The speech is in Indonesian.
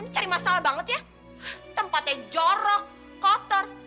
cari masalah banget ya tempatnya jorok kotor